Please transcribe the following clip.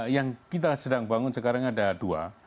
yang kita sedang bangun sekarang ada dua